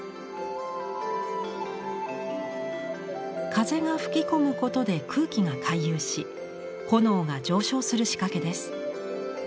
風が吹き込むことで空気が回遊し炎が上昇する仕掛けです。